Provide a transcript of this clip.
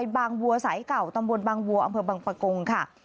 บางวัวสายเก่าตำบลบางวัวอำเภอบางปะกงค่ะ